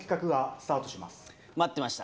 待ってました。